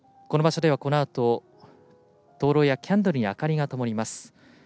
この場所では、このあと灯籠やキャンドルに明かりがともります。